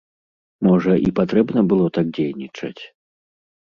Можа, і патрэбна было так дзейнічаць?